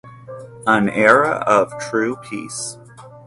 An era of true peace.